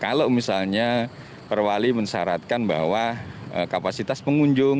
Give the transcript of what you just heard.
kalau misalnya perwali mensyaratkan bahwa kapasitas pengunjung